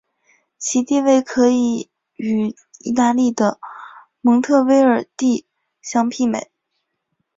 其地位可以与意大利的蒙特威尔第相媲美。